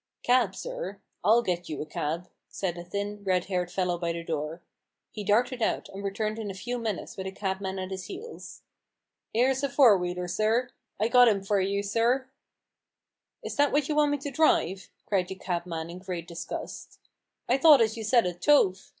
" Cab, sir ? I'll get you a cab," said a thin, red haired fellow by the door. He darted out, and returned in a few minutes with a cabman at his heels. 11 'Ere's a four wheeler, sin I got 'im for you, sir," " Is that what you w r ant me to drive?" cried the cabman in great disgust. " I thought as you said a toph.